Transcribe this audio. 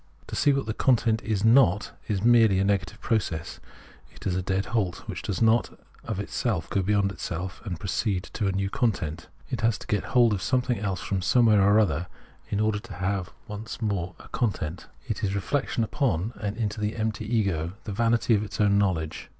To see what the content is not is merely a negative process ; it is a dead halt, which does not of itself go beyond itself, and proceed to a new content ; it has to get hold of 58 Phenomenology of Mind something else from somewhere or other in order to have once more a content. It is reflection upon and into the empty ego, the vanity of its own knowledge.